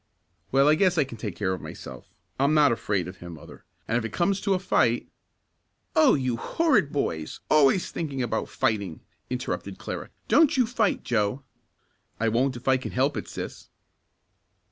"Well, I guess I can take care of myself. I'm not afraid of him, mother, and if it comes to a fight " "Oh, you horrid boys always thinking about fighting!" interrupted Clara. "Don't you fight, Joe!" "I won't if I can help it, sis."